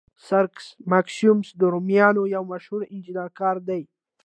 سرکس ماکسیموس د رومیانو یو مشهور انجنیري کار دی.